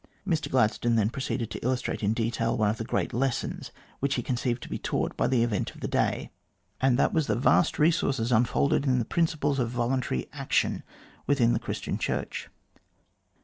Mr Gladstone then proceeded to illustrate in detail one of the great lessons which he con ceived to be taught by the event of the day, and that was MR GLADSTONE AND THE COLONIES 235 the vast resources unfolded in the principles of voluntary action within the Christian Church.